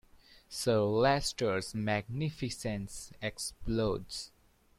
Sir Leicester's magnificence explodes.